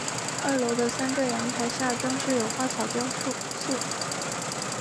二楼的三个阳台下装饰有花草雕塑。